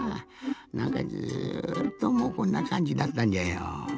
なんかずっともうこんなかんじだったんじゃよ。